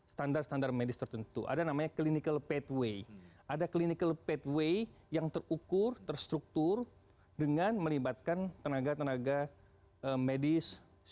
standar standar medis tertentu ada namanya clinical pathway ada clinical pathway yang terukur terstruktur dengan melibatkan tenaga tenaga medis